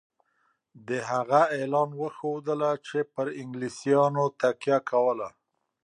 د هغه اعلان وښودله چې پر انګلیسیانو تکیه کوله.